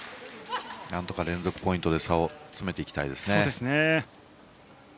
何とか連続ポイントで差を詰めていきたいです。